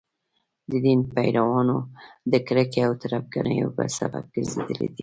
د دین پیروانو د کرکې او تربګنیو سبب ګرځېدلي دي.